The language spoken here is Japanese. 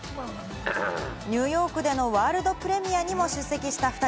ニューヨークでのワールドプレミアにも出席した２人。